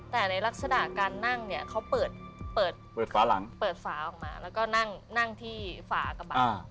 แต่ในลักษณะการนั่งเนี่ยเค้าเปิดฝาออกมาแล้วก็นั่งที่ฝากระบะ